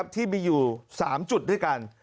ที่มีอยู่๓จุดด้วยกัน